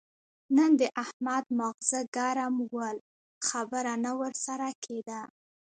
نن د احمد ماغزه ګرم ول؛ خبره نه ور سره کېده.